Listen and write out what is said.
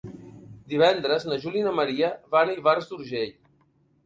Divendres na Júlia i na Maria van a Ivars d'Urgell.